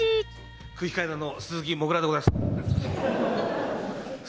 空気階段の鈴木もぐらでございます。